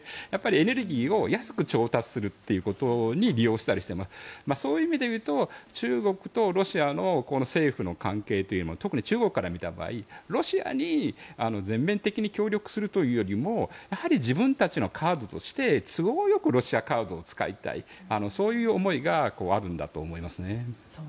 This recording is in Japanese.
エネルギーを安く調達するってことに利用したりしてそういう意味でいうと中国とロシアの政府の関係というのは特に中国から見た場合ロシアに全面的に協力するというよりも自分たちのカードとして都合よくロシアカードを使いたいそういう思いがあるんだと思いますね。